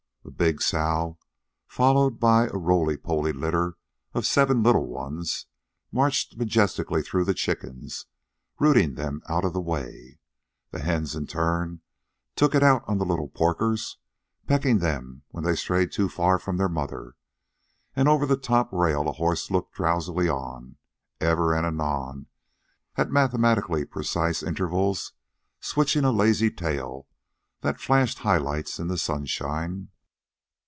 A big sow, followed by a roly poly litter of seven little ones, marched majestically through the chickens, rooting them out of the way. The hens, in turn, took it out on the little porkers, pecking them when they strayed too far from their mother. And over the top rail a horse looked drowsily on, ever and anon, at mathematically precise intervals, switching a lazy tail that flashed high lights in the sunshine.